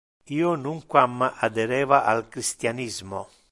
Io nunquam adhereva al christianismo.